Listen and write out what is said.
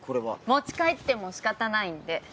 持ち帰っても仕方ないんで。